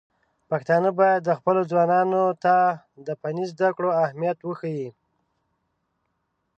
پښتانه بايد خپلو ځوانانو ته د فني زده کړو اهميت وښيي.